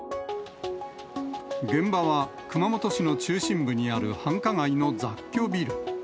現場は熊本市の中心部にある繁華街の雑居ビル。